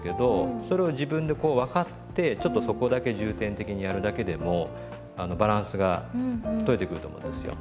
それを自分でこう分かってちょっとそこだけ重点的にやるだけでもバランスが取れてくると思いますよ。